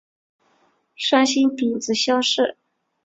山西丙子乡试。